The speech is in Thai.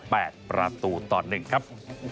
ประตูต่อหนึ่งครับ